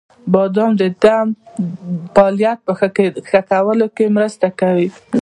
• بادام د دمه د فعالیت په ښه کولو کې مرسته کوي.